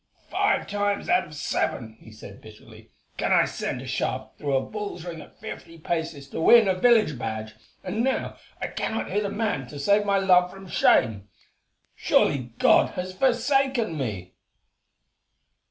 "Five times out of seven," he said bitterly, "can I send a shaft through a bull's ring at fifty paces to win a village badge, and now I cannot hit a man to save my love from shame. Surely God has forsaken me!"